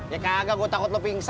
ya kagak gue takut lu pingsan